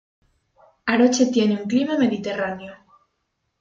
Aroche tiene un clima mediterráneo.